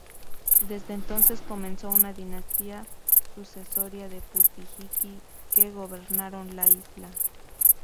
Desde entonces comenzó una dinastía sucesoria de "putu-iki", que gobernaron la isla.